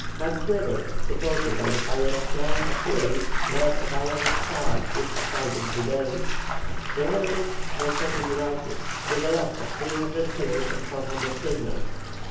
MacGregor, supported by the fire of Piar's artillery, led a bayonet charge which decided the day. The Royalists were totally routed, with a loss of 300 killed and 400 prisoners.